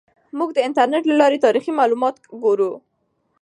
موږ د انټرنیټ له لارې تاریخي معلومات ګورو.